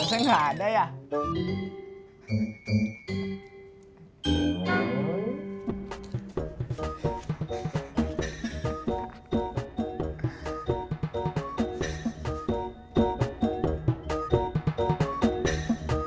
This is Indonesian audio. assalamualaikum laras laras laras